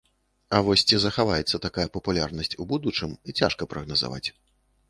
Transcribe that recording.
А вось ці захаваецца такая папулярнасць у будучым, цяжка прагназаваць.